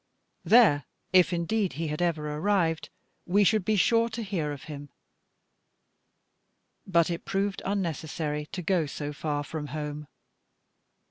There, if indeed he had ever arrived, we should be sure to hear of him. But it proved unnecessary to go so far from home.